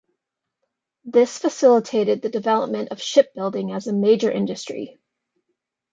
This facilitated the development of shipbuilding as a major industry.